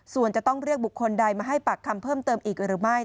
ส่วนจะต้องเรียกบุคคลใดมาให้ปากคำเพิ่มเติมอีกหรือไม่